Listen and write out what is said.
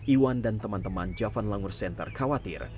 iwan dan teman teman javan langur center khawatir